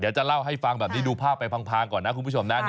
จะเล่าให้ฟังแบบนี้ดูภาพไปพังก่อนนะคุณผู้ชมนะ